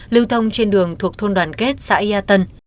lưu thông trên đường thuộc thôn đoàn kết xã yà tân